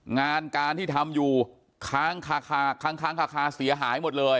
งานการที่ทำอยู่ค้างคาค้างคาเสียหายหมดเลย